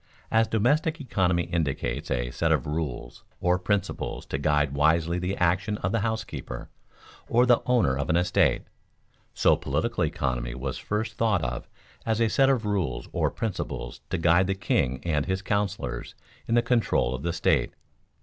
As domestic economy indicates a set of rules or principles to guide wisely the action of the housekeeper or the owner of an estate, so political economy was first thought of as a set of rules or principles to guide the king and his counselors in the control of the state.